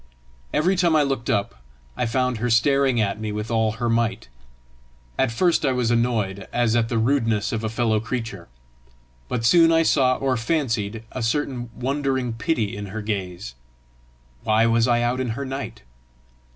Every time I looked up, I found her staring at me with all her might! At first I was annoyed, as at the rudeness of a fellow creature; but soon I saw or fancied a certain wondering pity in her gaze: why was I out in her night?